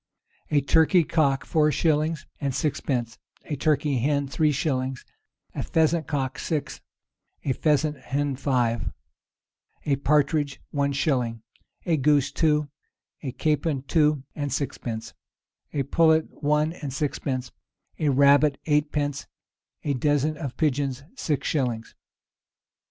A turkey cock four shillings and sixpence, a turkey hen three shillings, a pheasant cock six, a pheasant hen five, a partridge one shilling, a goose two, a capon two and sixpence, a pullet one and sixpence, a rabbit eightpence, a dozen of pigeons six shillings.